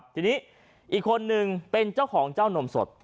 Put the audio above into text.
ทีนี้อีกคนนึงเป็นเจ้าของเจ้านมสด